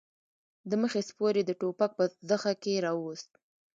د مخې سپور يې د ټوپک په زخه کې راووست.